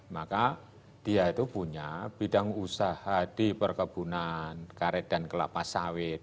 maka dia itu punya bidang usaha di perkebunan karet dan kelapa sawit